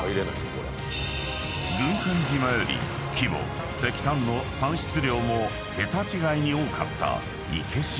［軍艦島より規模石炭の産出量も桁違いに多かった池島］